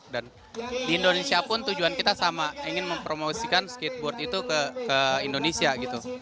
dan di indonesia pun tujuan kita sama ingin mempromosikan skateboard itu ke indonesia gitu